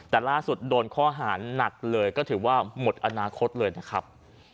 แต่ล่าสุดโดนข้อหาหนักเลยก็ถือว่าหมดอนาคตเลยนะครับ